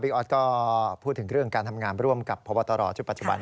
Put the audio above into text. ออสก็พูดถึงเรื่องการทำงานร่วมกับพบตรชุดปัจจุบัน